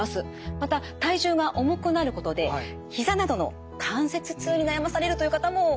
また体重が重くなることで膝などの関節痛に悩まされるという方も多くいます。